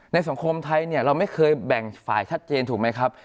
สังคมไทยเนี่ยเราไม่เคยแบ่งฝ่ายชัดเจนถูกไหมครับ